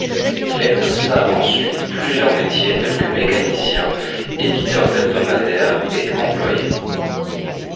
Il exerça ensuite plusieurs métiers tels que mécanicien, éditeur d'hebdomadaires et employé.